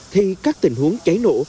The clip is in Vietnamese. thì các tình huống cháy nổ